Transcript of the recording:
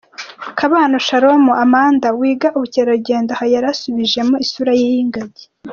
Kabano Sharon Amanda wiga Ubukerarugendo aha yarasubijemo isura ye y'ingagi .